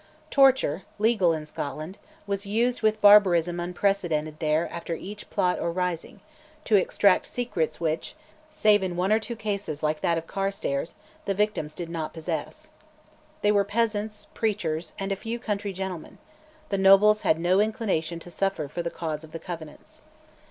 Torture, legal in Scotland, was used with barbarism unprecedented there after each plot or rising, to extract secrets which, save in one or two cases like that of Carstares, the victims did not possess. They were peasants, preachers, and a few country gentlemen: the nobles had no inclination to suffer for the cause of the Covenants.